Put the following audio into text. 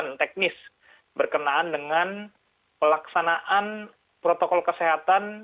pemeriksaan teknis berkenaan dengan pelaksanaan protokol kesehatan